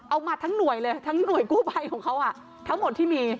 เอามาทั้งหน่วยเลยทั้งหน่วยกู้ภัยของเขาทั้งหมดที่มี